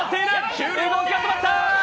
急に動きが止まった。